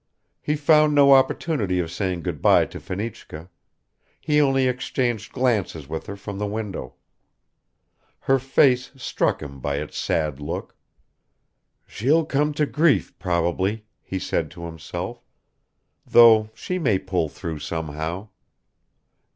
He found no opportunity of saying good by to Fenichka; he only exchanged glances with her from the window. Her face struck him by its sad look. "She'll come to grief, probably," he said to himself, "though she may pull through somehow!"